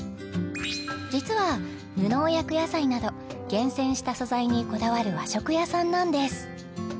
実は無農薬野菜など厳選した素材にこだわる和食屋さんなんです